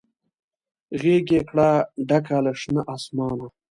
غیږ یې کړه ډکه له شنه اسمانه